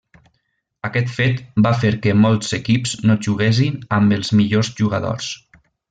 Aquest fet va fer que molts equips no juguessin amb els millors jugadors.